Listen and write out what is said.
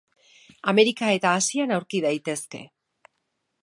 Amerika eta Asian aurki daitezke.